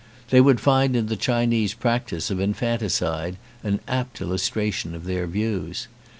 They would find in the Chinese practice of infanticide an apt illustration of their views.